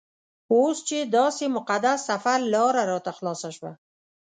اوس چې داسې مقدس سفر لاره راته خلاصه شوه.